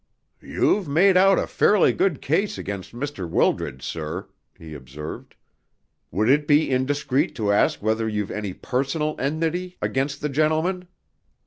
"You've made out a fairly good case against Mr. Wildred, sir," he observed. "Would it be indiscreet to ask whether you've any personal enmity against the gentleman?"